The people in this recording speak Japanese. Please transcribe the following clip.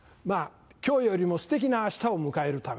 今日よりもステキな明日を迎えるため。